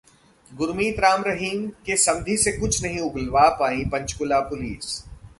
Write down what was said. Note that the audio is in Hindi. गुरमीत राम रहीम के समधी से कुछ नहीं उगलवा पाई पंचकुला पुलिस!